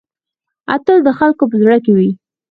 اتل د خلکو په زړه کې وي